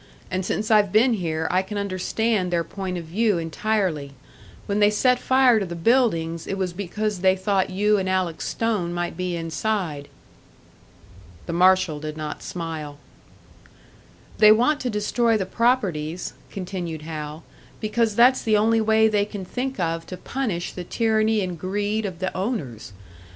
And since I've been here, I can understand their point of view entirely. When they set fire to the buildings, it was because they thought you and Alec Stone might be inside." The marshal did not smile. "They want to destroy the properties," continued Hal, "because that's the only way they can think of to punish the tyranny and greed of the owners.